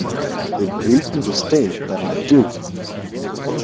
'It grieves me to state that I do.